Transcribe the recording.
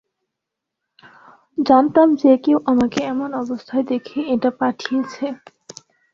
জানতাম যে কেউ আমাকে এমন অবস্থায় দেখে এটা পাঠিয়েছে।